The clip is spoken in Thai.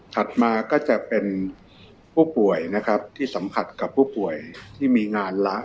ถัดมาก็จะเป็นผู้ป่วยนะครับที่สัมผัสกับผู้ป่วยที่มีงานละ